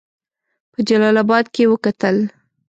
په جلا آباد کې وکتل.